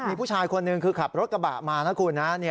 มีผู้ชายคนนึงคือขับรถกระบะมานะครับคุณ